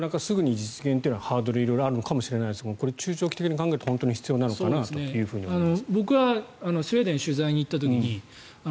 結構すぐに実現というのは色々ハードルがあるのかもしれませんが中長期的に考えると大事な話かなと思います。